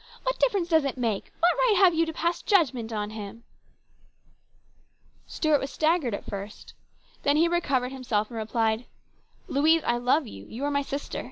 What difference does it 218 HIS BROTHER'S KEEPER. make? What right have you to pass judgment on him ?" Stuart was staggered at first. Then he recovered himself and replied :" Louise, I love you. You are my sister.